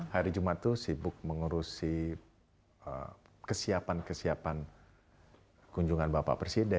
hari jumat itu sibuk mengurusi kesiapan kesiapan kunjungan bapak presiden